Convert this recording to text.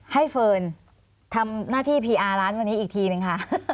เฟิร์นทำหน้าที่พีอาร์ร้านวันนี้อีกทีนึงค่ะ